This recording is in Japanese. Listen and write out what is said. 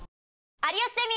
『有吉ゼミ』。